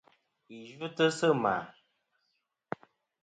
Ghi yvɨtɨ sɨ ma.